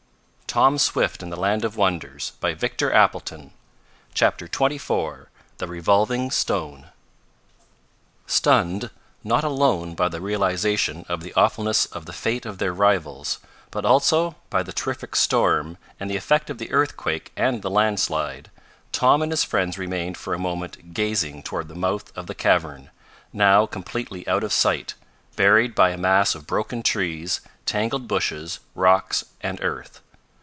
"Of Professor Beecher's party. They're entombed alive!" CHAPTER XXIV THE REVOLVING STONE Stunned, not alone by the realization of the awfulness of the fate of their rivals, but also by the terrific storm and the effect of the earthquake and the landslide, Tom and his friends remained for a moment gazing toward the mouth of the cavern, now completely out of sight, buried by a mass of broken trees, tangled bushes, rocks and earth.